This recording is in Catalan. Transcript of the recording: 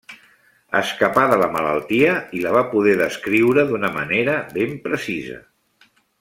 Escapà de la malaltia i la va poder descriure d'una manera ben precisa.